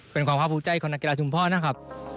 เป็นความภาพภูมิใจของนักกีฬาชุมพ่อนะครับ